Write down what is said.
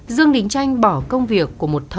dương đình tranh bỏ công việc của một thợ mộc